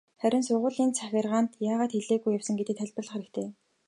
Харин сургуулийн захиргаанд яагаад хэлээгүй явсан гэдгээ тайлбарлах хэрэгтэй.